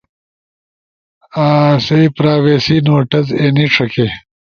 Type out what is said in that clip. آسے پرائیویسی نوٹس اینی ݜکے۔